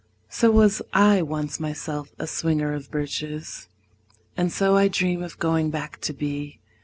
So was I once myself a swinger of birches. And so I dream of going back to be.